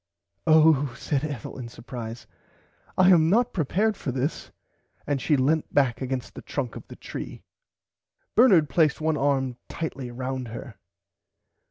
Oh said Ethel in supprise I am not prepared for this and she lent back against the trunk of the tree. Bernard placed one arm tightly round her.